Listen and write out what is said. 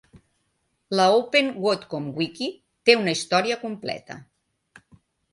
La "Open Watcom Wiki" té una història completa.